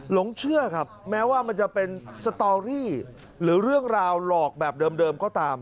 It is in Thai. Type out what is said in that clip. หลงเชื่อครับแม้ว่ามันจะเป็นสตอรี่หรือเรื่องราวหลอกแบบเดิมก็ตาม